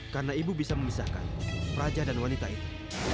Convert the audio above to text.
karena ibu bisa memisahkan peraja dan wanita itu